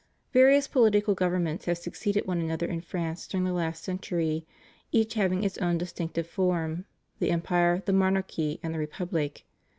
Various political governments have succeeded one another in France during the last century, each having its own distinctive form: the Empire, the Monarchy, and the Republic.